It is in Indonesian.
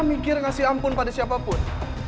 mikir ngasih ampun pada siapapun